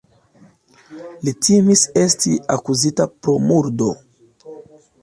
Li timis esti akuzita pro murdo.